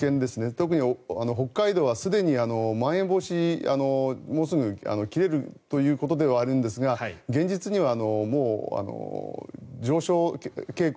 特に北海道はすでにまん延防止がもうすぐ切れるということではあるんですが現実にはもう、上昇傾向